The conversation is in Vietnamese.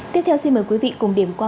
tiếp theo xin mời quý vị cùng điểm qua